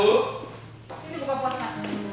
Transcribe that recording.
sini buka puasa